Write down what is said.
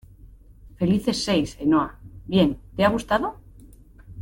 felices seis, Ainhoa. ¡ bien! ¿ te ha gustado?